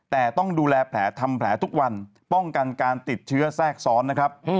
แต่ต้องดูแลแผลทำแผลทุกวันป้องกันการติดเชื้อแทรกซ้อนนะครับ